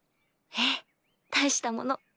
ええ大したもの。